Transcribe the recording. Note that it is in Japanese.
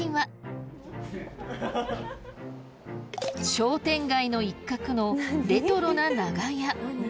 商店街の一角のレトロな長屋。